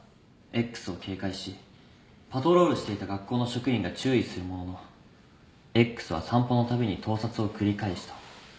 Ｘを警戒しパトロールしていた学校の職員が注意するもののＸは散歩のたびに盗撮を繰り返した。